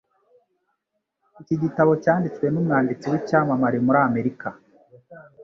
Iki gitabo cyanditswe n'umwanditsi w'icyamamare muri Amerika.